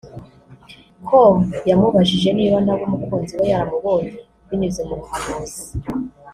com yamubajije niba na we umukunzi we yaramubonye binyuze mu buhanuzi